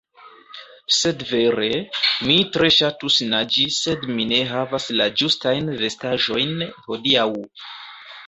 Sed vere, mi tre ŝatus naĝi sed mi ne havas la ĝustajn vestaĵojn hodiaŭ